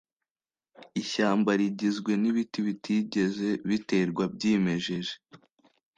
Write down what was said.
Ishyamba rigizwe n'ibiti bitigeze biterwa byimejeje.